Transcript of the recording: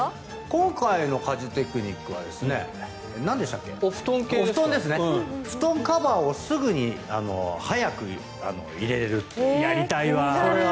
今回の家事テクニックは布団カバーをすぐに早く入れるという。